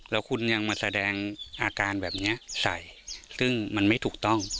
แล้วคุณยังมาแสดงอาการแบบนี้ใส่ซึ่งมันไม่ถูกต้อง